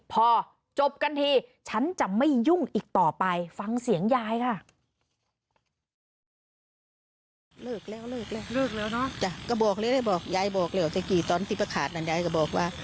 พอจบกันทีฉันจะไม่ยุ่งอีกต่อไปฟังเสียงยายค่ะ